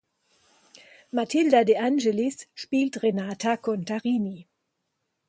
Matilda De Angelis spielt Renata Contarini.